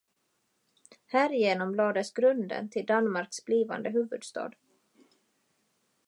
Härigenom lades grunden till Danmarks blivande huvudstad.